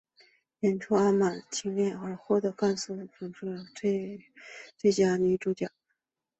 演出阿满的恋情而获得金甘蔗影展最佳女主角。